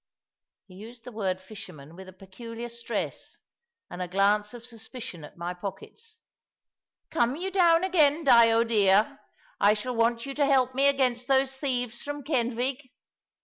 He used the word "fisherman" with a peculiar stress, and a glance of suspicion at my pockets. "Come you down again, Dyo dear. I shall want you to help me against those thieves from Kenfig.